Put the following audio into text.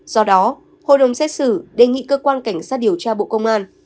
do đó hội đồng xét xử đề nghị cơ quan cảnh sát điều tra bộ công an